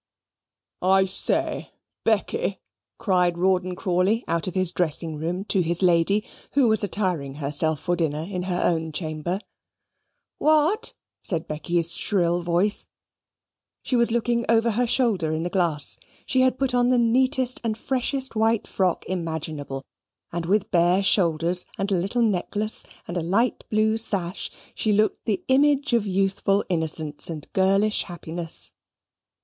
"I say, Becky," cried Rawdon Crawley out of his dressing room, to his lady, who was attiring herself for dinner in her own chamber. "What?" said Becky's shrill voice. She was looking over her shoulder in the glass. She had put on the neatest and freshest white frock imaginable, and with bare shoulders and a little necklace, and a light blue sash, she looked the image of youthful innocence and girlish happiness.